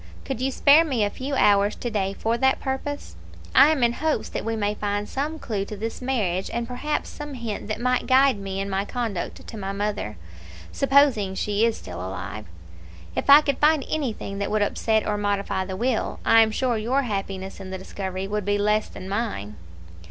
Could you spare me a few hours to day for that purpose? I am in hopes that we may find some clue to this marriage, and perhaps some hint that might guide me in my conduct to my mother, supposing she is still alive. If I could find anything that would upset or modify the will, I am sure your happiness in the discovery would be less than mine."